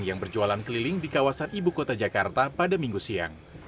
yang berjualan keliling di kawasan ibu kota jakarta pada minggu siang